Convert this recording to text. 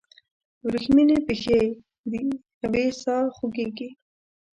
وریښمینې پښې دیوې ساه خوږیږي